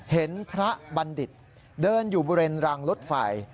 เห็นพระบัณฑิตเดินอยู่บริเวณรางรถไฟ